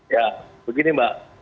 ya begini mbak